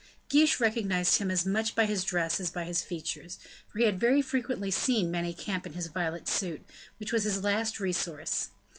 Guiche recognized him as much by his dress as by his features, for he had very frequently seen Manicamp in his violet suit, which was his last resource.